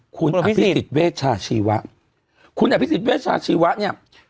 คุณอภิสิทธิ์เวชชาชีวะคุณอภิสิทธิ์เวชชาชีวะเนี่ย